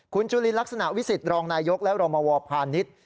คุณจุลินลักษณะวิสิทธิรองนายยกและรมวพาณิชย์